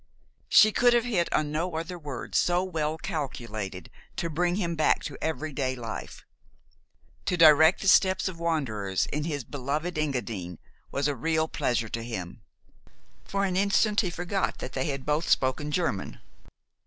She could have hit on no other words so well calculated to bring him back to every day life. To direct the steps of wanderers in his beloved Engadine was a real pleasure to him. For an instant he forgot that they had both spoken German.